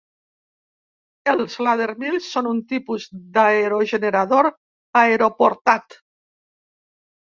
Els laddermills són un tipus d'aerogenerador aeroportat.